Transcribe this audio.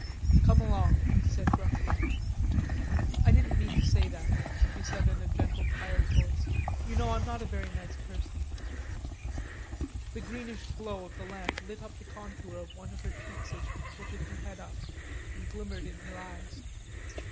"Come along," he said gruffly. "I didn't mean to say that," she said in a gentle, tired voice. "You know, I'm not a very nice person." The greenish glow of the lamp lit up the contour of one of her cheeks as she tilted her head up, and glimmered in her eyes.